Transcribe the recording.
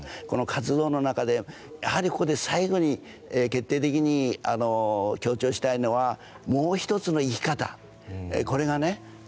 この活動の中でやはりここで最後に決定的に強調したいのはもうひとつの生き方これがね